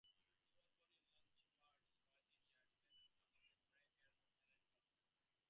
He was born in Lynchburg, Virginia, to Pleasant Thurman and Mary Granberry Allen Thurman.